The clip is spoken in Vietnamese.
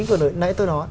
của nãy tôi nói